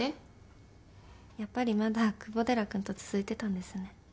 やっぱりまだ久保寺君と続いてたんですね。